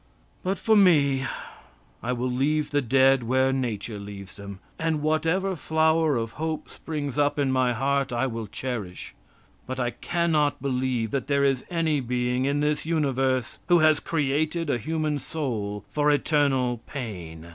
But for me, I will leave the dead where nature leaves them. And whatever flower of hope springs up in my heart I will cherish; but I can not believe that there is any being in this universe who has created a human soul for eternal pain.